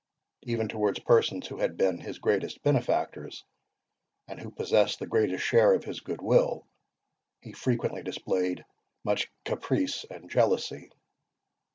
Even towards persons who had been his greatest benefactors, and who possessed the greatest share of his good will, he frequently displayed much caprice and jealousy.